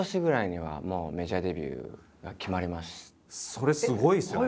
それすごいですよね。